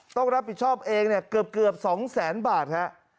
ต้องรับผิดชอบเองเกือบ๒๐๐๐๐๐บาทครับ